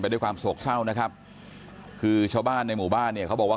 ด้วยความโศกเศร้านะครับคือชาวบ้านในหมู่บ้านเนี่ยเขาบอกว่า